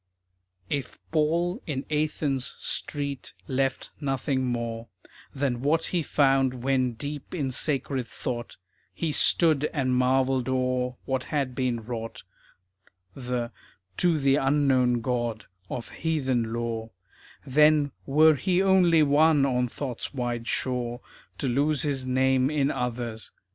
If Paul in Athens' street left nothing more Than what he found when deep in sacred thought, He stood and marvelled o'er what had been wrought, The To the Unknown God of heathen lore, Then were he only one on thought's wide shore To lose his name in others.